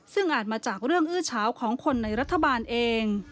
ซึ่งอาจมาจากเรื่องอื้อเฉาของคนในรัฐบาลเอง